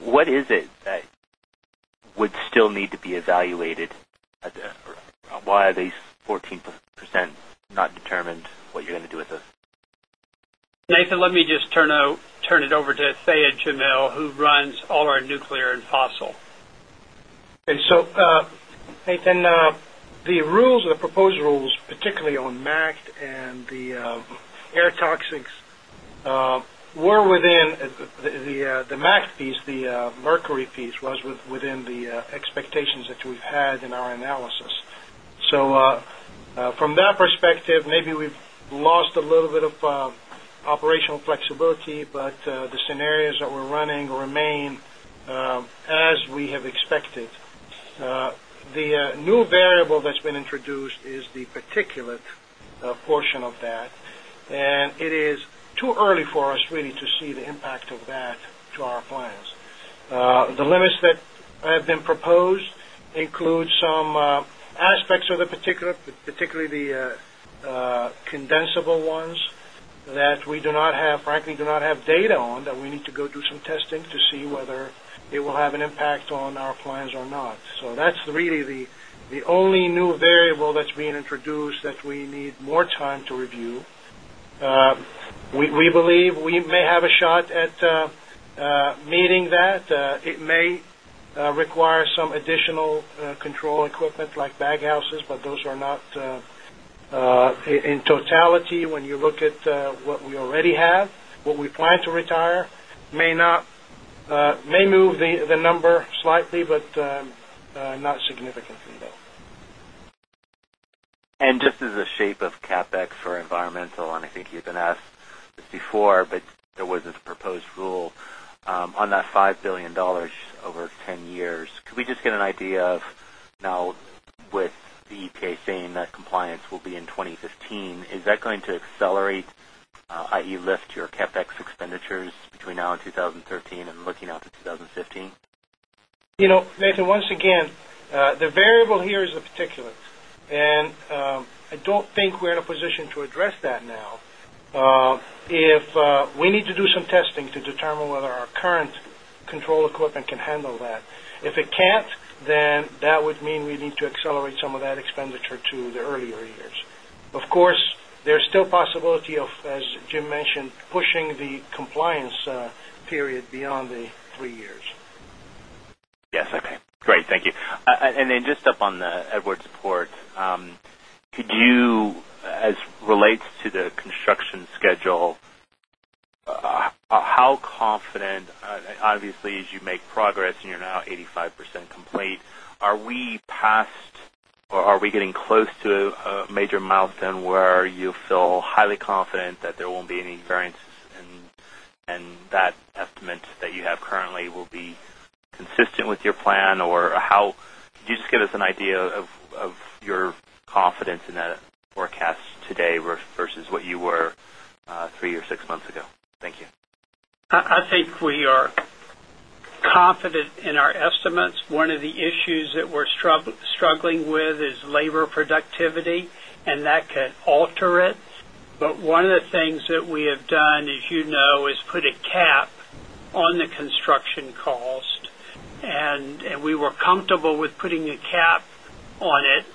what is it that would still need to be evaluated? Why are these 14% not determined what you're going to do with it? Nathan, let me just turn it over to Dhiaa Jamil, who runs all our nuclear and fossil. Okay. Nathan, the rules and the proposed rules, particularly on MACT and the air toxics, were within the MACT piece. The mercury piece was within the expectations that we've had in our analysis. From that perspective, maybe we've lost a little bit of operational flexibility, but the scenarios that we're running remain as we have expected. The new variable that's been introduced is the particulate portion of that. It is too early for us really to see the impact of that to our plans. The limits that have been proposed include some aspects of the particulate, particularly the condensable ones that we do not have, frankly, do not have data on that we need to go do some testing to see whether it will have an impact on our plans or not. That's really the only new variable that's being introduced that we need more time to review. We believe we may have a shot at meeting that. It may require some additional control equipment like bag houses, but those are not in totality. When you look at what we already have, what we plan to retire may move the number slightly, but not significantly, though. Just as a shape of CapEx for environmental, and I think you've been asked this before, but there was a proposed rule on that $5 billion over 10 years. Could we just get an idea of now with the EPA saying that compliance will be in 2015? Is that going to accelerate, i.e., lift your CapEx expenditures between now and 2013 and looking out to 2015? You know, Nathan, once again, the variable here is the particulate. I don't think we're in a position to address that now. If we need to do some testing to determine whether our current control equipment can handle that, if it can't, then that would mean we need to accelerate some of that expenditure to the earlier years. Of course, there's still a possibility of, as Jim mentioned, pushing the compliance period beyond the three years. Yes. Okay. Great. Thank you. Just up on the Edwardsport, could you, as it relates to the construction schedule, how confident, obviously, as you make progress and you're now 85% complete, are we past or are we getting close to a major milestone where you feel highly confident that there won't be any variances and that estimate that you have currently will be consistent with your plan? Could you just give us an idea of your confidence in that forecast today versus what you were three or six months ago? Thank you. I think we are confident in our estimates. One of the issues that we're struggling with is labor productivity, and that could alter it. One of the things that we have done, as you know, is put a cap on the construction costs. We were comfortable with putting a cap on it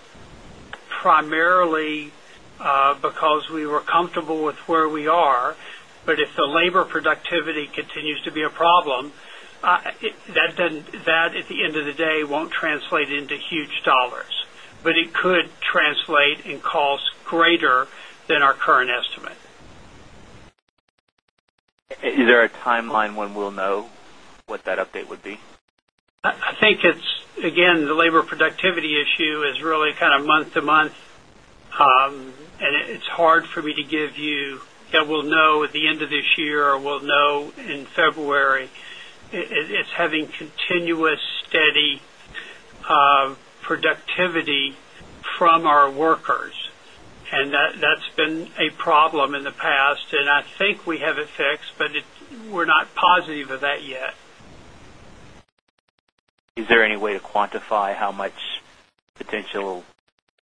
primarily because we were comfortable with where we are. If the labor productivity continues to be a problem, that, at the end of the day, won't translate into huge dollars. It could translate in costs greater than our current estimate. Is there a timeline when we'll know what that update would be? I think it's, again, the labor productivity issue is really kind of month to month. It's hard for me to give you that we'll know at the end of this year or we'll know in February. It's having continuous steady productivity from our workers. That's been a problem in the past. I think we have a fix, but we're not positive of that yet. Is there any way to quantify how much potential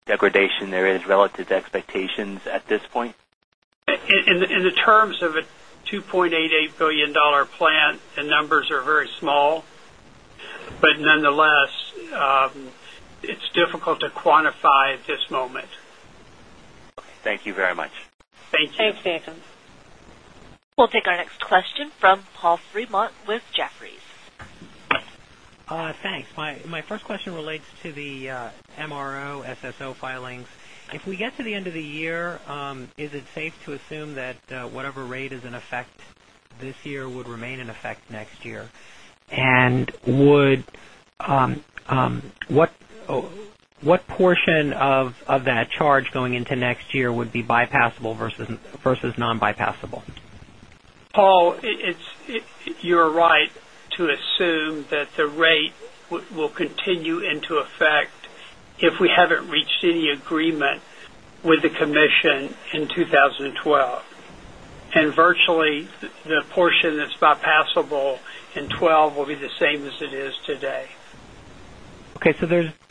degradation there is relative to expectations at this point? In the terms of a $2.88 billion plant, the numbers are very small. Nonetheless, it's difficult to quantify at this moment. Okay, thank you very much. Thank you. Thanks, Nathan. We'll take our next question from Paul Fremont with Jefferies. Thanks. My first question relates to the MRO SSO filings. If we get to the end of the year, is it safe to assume that whatever rate is in effect this year would remain in effect next year? What portion of that charge going into next year would be bypassable versus non-bypassable? Paul, you're right to assume that the rate will continue into effect if we haven't reached any agreement with the commission in 2012. Virtually, the portion that's bypassable in 2012 will be the same as it is today. Okay.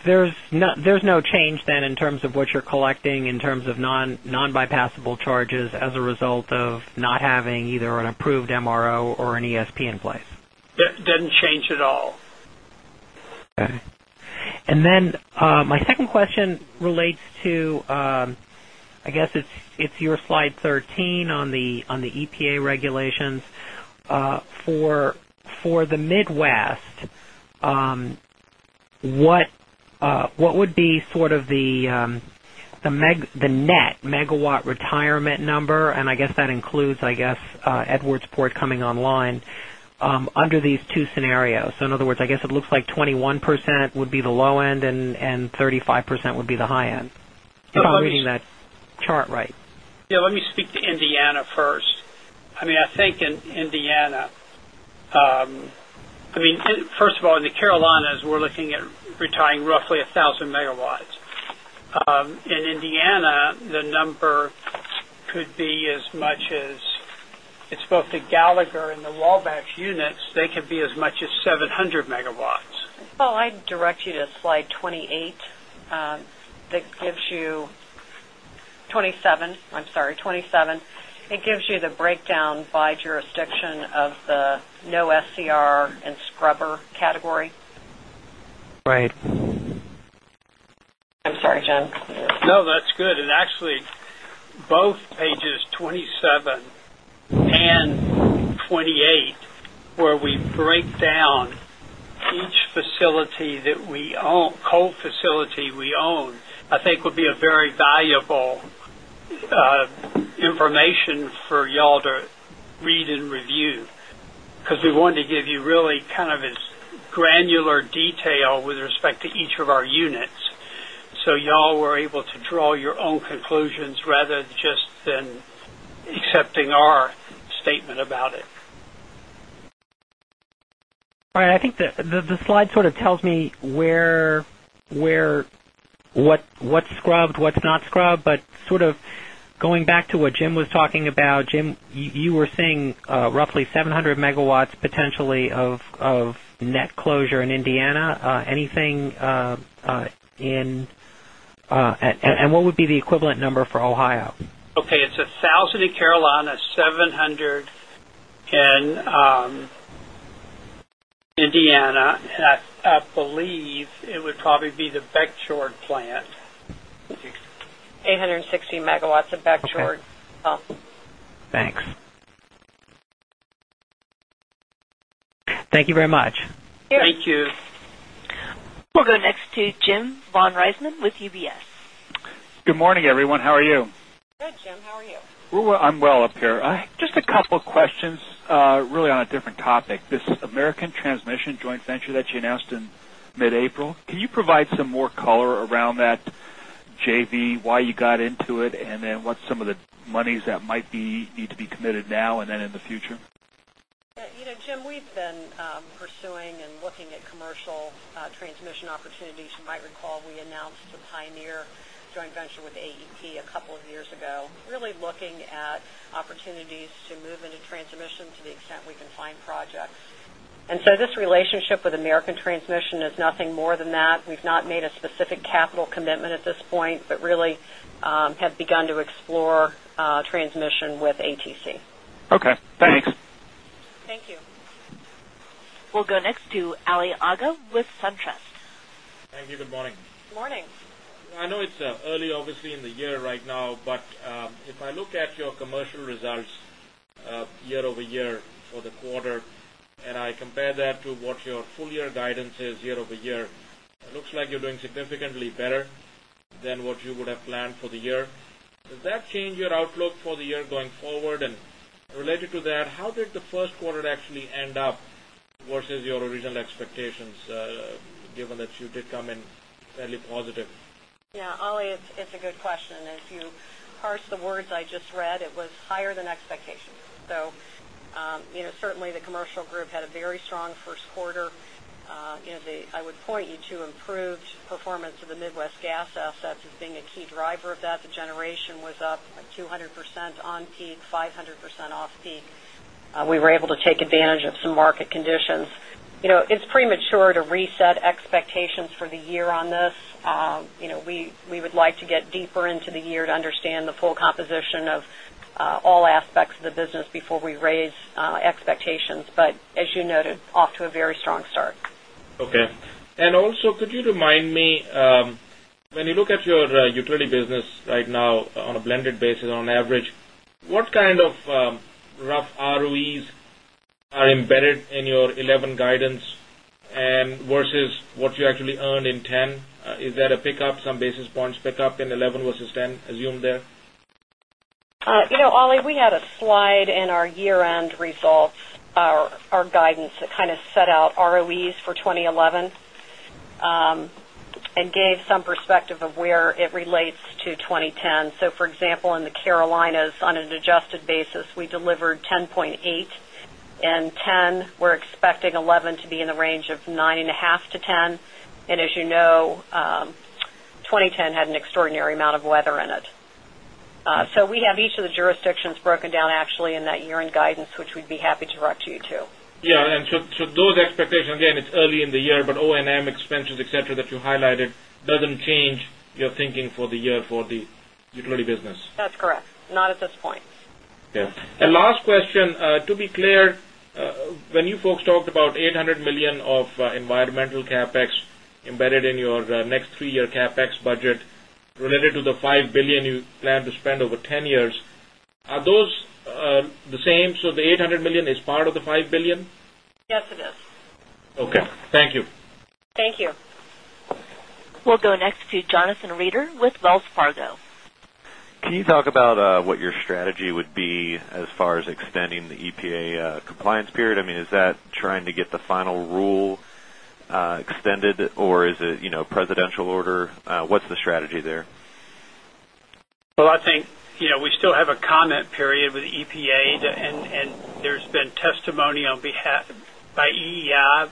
There's no change then in terms of what you're collecting in terms of non-bypassable charges as a result of not having either an approved MRO or an ESP in place? It doesn't change at all. Okay. My second question relates to, I guess it's your slide 13 on the EPA regulations. For the Midwest, what would be sort of the net megawatt retirement number? I guess that includes, I guess, Edwardsport coming online under these two scenarios. In other words, it looks like 21% would be the low end and 35% would be the high end. Yes. If I'm reading that chart right. Yeah. Let me speak to Indiana first. I think in Indiana, first of all, in the Carolinas, we're looking at retiring roughly 1,000 MW. In Indiana, the number could be as much as it's both the Gallagher and the Wabash units. They could be as much as 700 MW. Paul, I'd direct you to slide 28, 27. It gives you the breakdown by jurisdiction of the no SCR and scrubber category. Right. I'm sorry, [gent]. No, that's good. Actually, both pages 27 and 28, where we break down each facility that we own, each coal facility we own, I think would be very valuable information for y'all to read and review because we wanted to give you really kind of this granular detail with respect to each of our units. Y'all were able to draw your own conclusions rather than just accepting our statement about it. All right. I think that the slide sort of tells me what's scrubbed, what's not scrubbed. Going back to what Jim was talking about, Jim, you were saying roughly 700 MW potentially of net closure in Indiana. Anything in? What would be the equivalent number for Ohio? Okay. It's 1,000 MW in Carolina, 700 MW in Indiana, and I believe it would probably be the Beckjord plant. 860 MW at Beckjord. Thanks. Thanks. Thank you very much. Thank you. We'll go next to Jim von Riesemann with UBS. Good morning, everyone. How are you? Good, Jim. How are you? I'm well up here. Just a couple of questions, really on a different topic. This American Transmission joint venture that you announced in mid-April, can you provide some more color around that JV, why you got into it, and what some of the monies that might need to be committed now and then in the future? Yeah. You know, Jim, we've been pursuing and looking at commercial transmission opportunities. You might recall we announced a Pioneer joint venture with AEP a couple of years ago, really looking at opportunities to move into transmission to the extent we can find projects. This relationship with American Transmission is nothing more than that. We've not made a specific capital commitment at this point, but really have begun to explore transmission with ATC. Okay. Thanks. Thank you. We'll go next to Ali Agha with SunTrust. Thank you. Good morning. Morning. I know it's early, obviously, in the year right now, but if I look at your commercial results year-over-year for the quarter and I compare that to what your full-year guidance is year-over-year, it looks like you're doing significantly better than what you would have planned for the year. Does that change your outlook for the year going forward? Related to that, how did the first quarter actually end up versus your original expectations, given that you did come in fairly positive? Yeah. Ali, it's a good question. As you parse the words I just read, it was higher than expectations. Certainly, the commercial group had a very strong first quarter. I would point you to improved performance of the Midwest gas assets as being a key driver of that. The generation was up 200% on peak, 500% off peak. We were able to take advantage of some market conditions. It's premature to reset expectations for the year on this. We would like to get deeper into the year to understand the full composition of all aspects of the business before we raise expectations. As you noted, off to a very strong start. Okay. Could you remind me, when you look at your utility business right now on a blended basis, on average, what kind of rough ROEs are embedded in your 2011 guidance and versus what you actually earned in 2010? Is that a pickup? Some basis points pickup in 2011 versus 2010, assume there? You know, Ali, we had a slide in our year-end results, our guidance that kind of set out ROEs for 2011 and gave some perspective of where it relates to 2010. For example, in the Carolinas, on an adjusted basis, we delivered 10.8%, and 10%, we're expecting 2011 to be in the range of 9.5%-10%. As you know, 2010 had an extraordinary amount of weather in it. We have each of the jurisdictions broken down actually in that year-end guidance, which we'd be happy to direct you to. Yeah, those expectations, again, it's early in the year, but O&M expenses, etc., that you highlighted doesn't change your thinking for the year for the utility business. That's correct, not at this point. Okay. Last question. To be clear, when you folks talked about $800 million of environmental CapEx embedded in your next three-year CapEx budget related to the $5 billion you plan to spend over 10 years, are those the same? The $800 million is part of the $5 billion? Yes, it is. Okay, thank you. Thank you. We'll go next to Jonathan Reeder with Wells Fargo. Can you talk about what your strategy would be as far as extending the EPA compliance period? I mean, is that trying to get the final rule extended, or is it, you know, presidential order? What's the strategy there? I think, you know, we still have a comment period with the EPA, and there's been testimony on behalf by [EEI]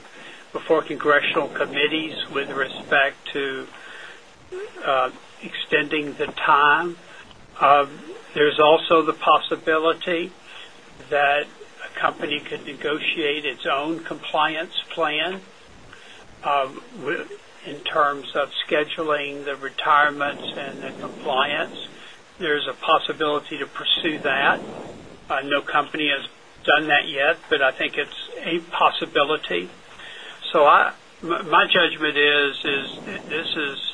before congressional committees with respect to extending the time. There's also the possibility that a company could negotiate its own compliance plan in terms of scheduling the retirements and the compliance. There's a possibility to pursue that. No company has done that yet, but I think it's a possibility. My judgment is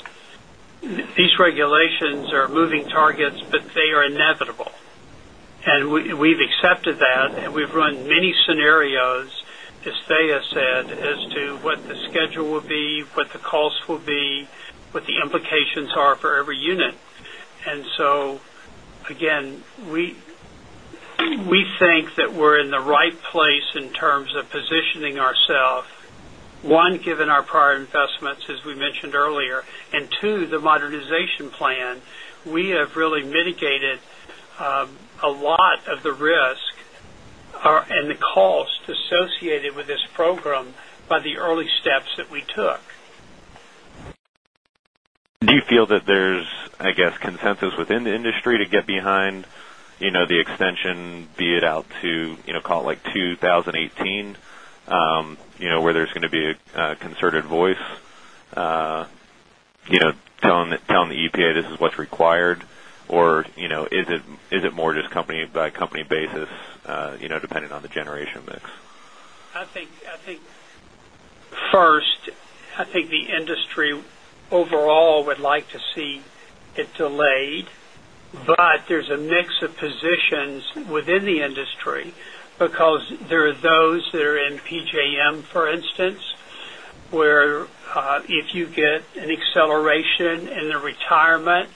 these regulations are moving targets, but they are inevitable. We've accepted that, and we've run many scenarios, as [Vaya] said, as to what the schedule will be, what the costs will be, what the implications are for every unit. We think that we're in the right place in terms of positioning ourselves, one, given our prior investments, as we mentioned earlier, and two, the modernization plan. We have really mitigated a lot of the risk and the cost associated with this program by the early steps that we took. Do you feel that there's consensus within the industry to get behind the extension, be it out to, call it like 2018, where there's going to be a concerted voice telling the EPA, "This is what's required," or is it more just company-by-company basis depending on the generation mix? I think the industry overall would like to see it delayed. There's a mix of positions within the industry because there are those that are in PJM, for instance, where if you get an acceleration in the retirement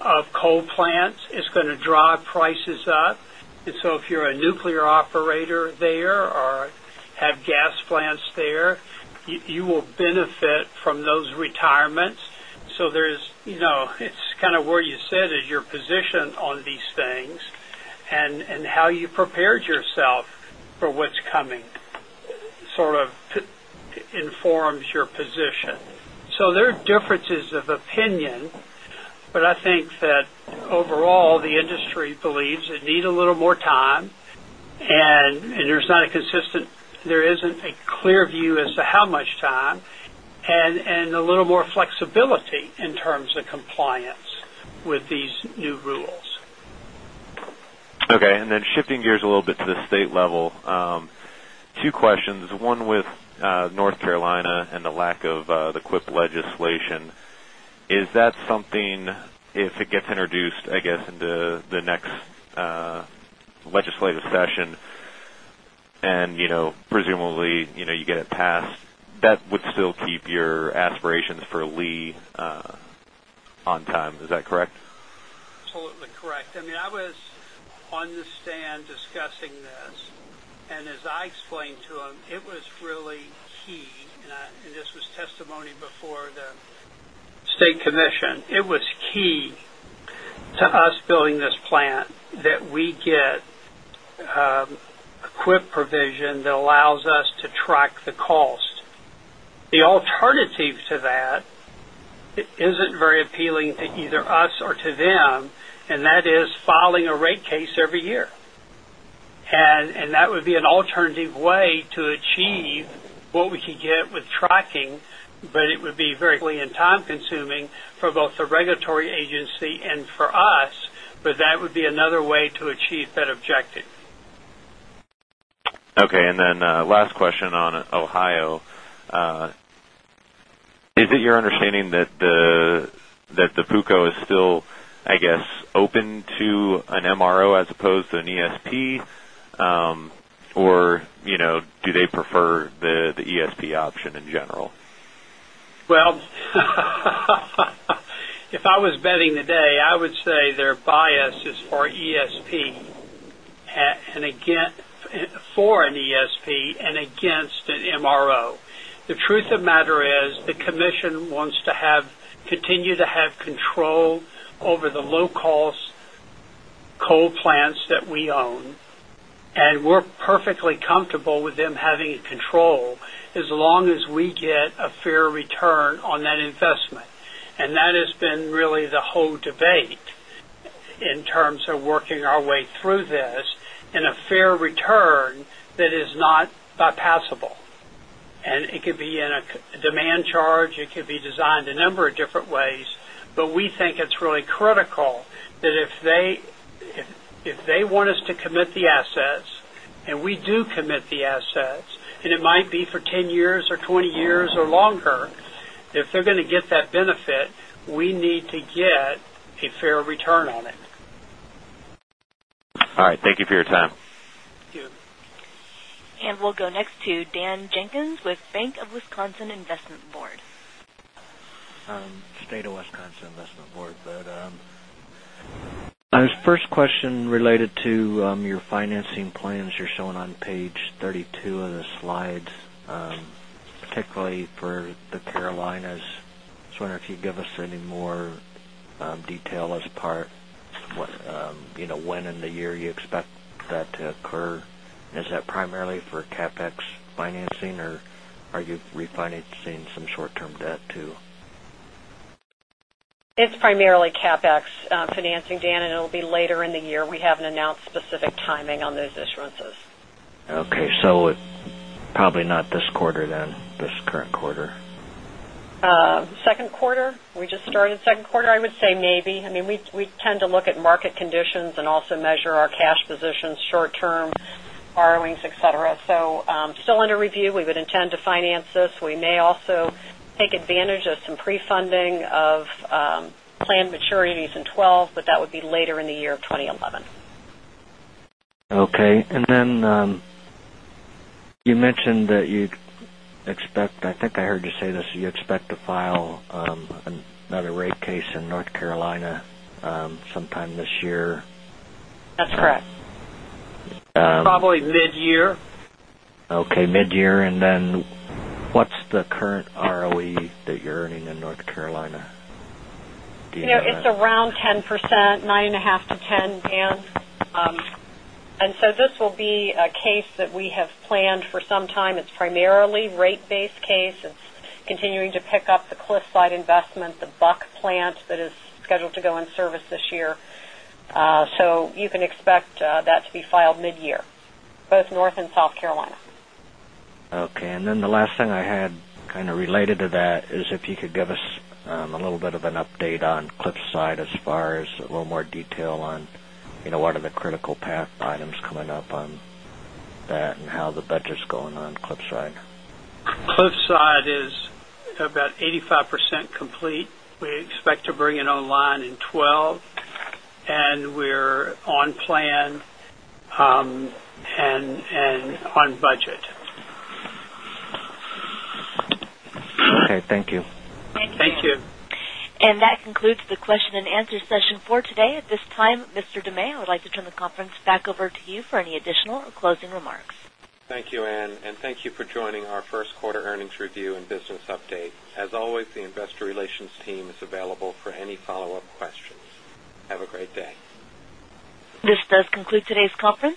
of coal plants, it's going to drive prices up. If you're a nuclear operator there or have gas plants there, you will benefit from those retirements. It's kind of where you sit is your position on these things, and how you prepared yourself for what's coming sort of informs your position. There are differences of opinion, but I think that overall, the industry believes it needs a little more time. There's not a consistent, clear view as to how much time, and a little more flexibility in terms of compliance with these new rules. Okay. Shifting gears a little bit to the state level, two questions. One with North Carolina and the lack of the quick legislation. Is that something, if it gets introduced into the next legislative session, and you know, presumably, you know, you get it passed, that would still keep your aspirations for Lee on time. Is that correct? Totally correct. I mean, I was on the stand discussing this. As I explained to him, it was really key. This was testimony before the state commission. It was key to us building this plant that we get a quick provision that allows us to track the cost. The alternative to that isn't very appealing to either us or to them, that is filing a rate case every year. That would be an alternative way to achieve what we could get with tracking, but it would be very time-consuming for both the regulatory agency and for us. That would be another way to achieve that objective. Okay. Last question on Ohio. Is it your understanding that the PUCO is still open to an MRO as opposed to an ESP? Do they prefer the ESP option in general? If I was betting today, I would say their bias is for ESP and against an MRO. The truth of the matter is the commission wants to continue to have control over the low-cost coal plants that we own. We're perfectly comfortable with them having control as long as we get a fair return on that investment. That has been really the whole debate in terms of working our way through this in a fair return that is not bypassable. It could be in a demand charge. It could be designed a number of different ways. We think it's really critical that if they want us to commit the assets, and we do commit the assets, and it might be for 10 years or 20 years or longer, if they're going to get that benefit, we need to get a fair return on it. All right, thank you for your time. Thank you. We will go next to Dan Jenkins with Bank of Wisconsin Investment Board. State of Wisconsin Investment Board, my first question related to your financing plans you're showing on page 32 of the slides, particularly for the Carolinas. I wonder if you'd give us any more detail as part of what, you know, when in the year you expect that to occur. Is that primarily for CapEx financing, or are you refinancing some short-term debt too? It's primarily CapEx financing, Dan, and it'll be later in the year. We haven't announced specific timing on those issuances. Okay, it's probably not this quarter then, this current quarter. Second quarter? We just started second quarter? I would say maybe. I mean, we tend to look at market conditions and also measure our cash positions, short-term borrowings, etc. Still under review. We would intend to finance this. We may also take advantage of some pre-funding of planned maturities in 2012, but that would be later in the year of 2011. Okay. You mentioned that you'd expect, I think I heard you say this, you expect to file another rate case in North Carolina sometime this year. That's correct Probably mid-year. Okay. Mid-year. What's the current ROE that you're earning in North Carolina? You know, it's around 10%, 9.5% to 10%, Dan. This will be a case that we have planned for some time. It's primarily a rate-based case. It's continuing to pick up the Cliffside investment, the Buck plant that is scheduled to go in service this year. You can expect that to be filed mid-year, both North Carolina and South Carolina. Okay. The last thing I had kind of related to that is if you could give us a little bit of an update on Cliffside as far as a little more detail on what are the critical path items coming up on that and how the budget's going on Cliffside? Cliffside is About 85% complete. We expect to bring it online in 2012, and we're on plan and on budget. Okay, thank you. Thank you. Thank you. That concludes the question and answer session for today. At this time, Mr. De May, I would like to turn the conference back over to you for any additional or closing remarks. Thank you, Ann, and thank you for joining our first quarter earnings review and business update. As always, the investor relations team is available for any follow-up questions. Have a great day. This does conclude today's conference.